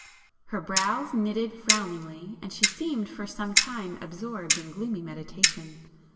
Her brows knitted frowningly, and she seemed for some time absorbed in gloomy meditation.